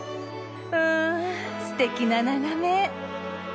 うんすてきな眺め。